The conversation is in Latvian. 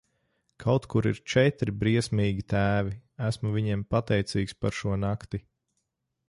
Kaut kur ir četri briesmīgi tēvi, esmu viņiem pateicīgs par šo nakti.